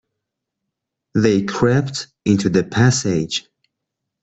They crept into the passage.